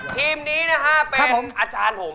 ทีมนี้นะฮะเป็นอาจารย์ผม